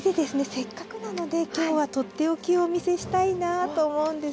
せっかくなので今日はとっておきをお見せしたいなと思うんです。